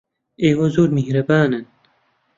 ئێوە زۆر میهرەبانن.